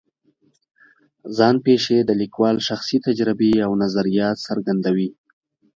ځان پېښې د لیکوال شخصي تجربې او نظریات څرګندوي.